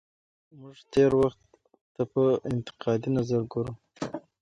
موږ تېر وخت ته په انتقادي نظر ګورو.